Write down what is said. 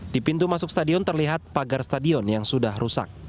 di pintu masuk stadion terlihat pagar stadion yang sudah rusak